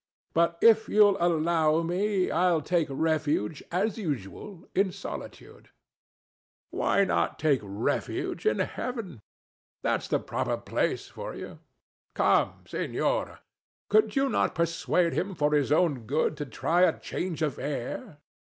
But if you'll allow me, I'll take refuge, as usual, in solitude. THE DEVIL. Why not take refuge in Heaven? That's the proper place for you. [To Ana] Come, Senora! could you not persuade him for his own good to try a change of air?